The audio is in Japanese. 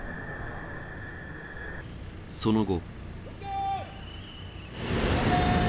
その後。